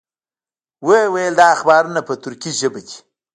وې ویل دا اخبارونه په تُرکي ژبه دي.